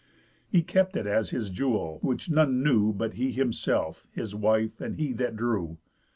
He kept it as his jewel, which none knew But he himself, his wife, and he that drew.